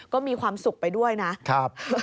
ก็มีความสุขไปด้วยนะ